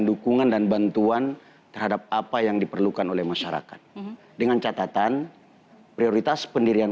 dukungan dan bantuan terhadap apa yang diperlukan oleh masyarakat dengan catatan prioritas pendirian